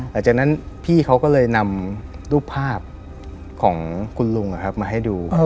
หลังจากนั้นพี่เขาก็เลยนำรูปภาพของคุณลุงมาให้ดู